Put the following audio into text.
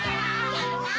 ・やった！